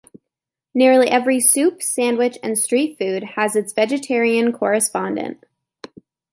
Nearly every soup, sandwich and streetfood has its vegetarian correspondent.